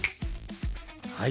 はい。